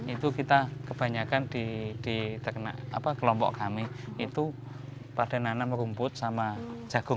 itu kita kebanyakan di ternak kelompok kami itu pada nanam rumput sama jagung